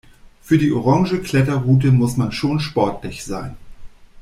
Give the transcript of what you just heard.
Für die orange Kletterroute muss man schon sportlich sein.